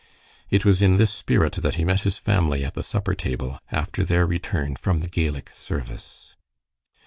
It was in this spirit that he met his family at the supper table, after their return from the Gaelic service.